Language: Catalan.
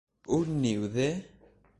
Un niu de.